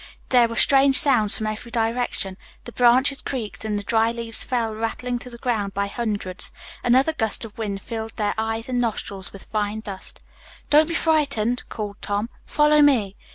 There were strange sounds from every direction. The branches creaked and the dry leaves fell rattling to the ground by hundreds. Another gust of wind filled their eyes and nostrils with fine dust. "Don't be frightened," called Tom. "Follow me."